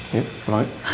yuk lo yuk